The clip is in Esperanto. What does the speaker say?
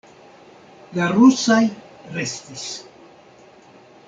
La rusaj restis.